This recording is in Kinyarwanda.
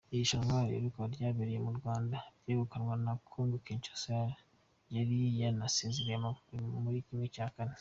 Irushanwa riheruka ryabereye mu Rwanda ryegukanwa na Congo Kinshasa yari yanasezereye Amavubi muri ¼.